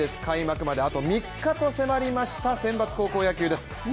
開幕まであと３日と迫りました選抜高校野球です。